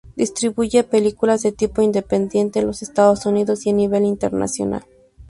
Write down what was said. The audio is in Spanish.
Distribuye películas de tipo independiente en los Estados Unidos y a nivel internacional.